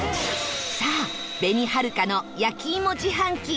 さあ、紅はるかの焼き芋自販機